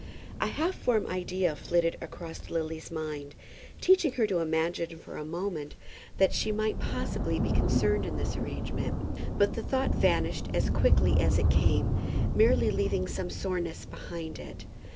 A half formed idea flitted across Lily's mind, teaching her to imagine for a moment that she might possibly be concerned in this arrangement. But the thought vanished as quickly as it came, merely leaving some soreness behind it.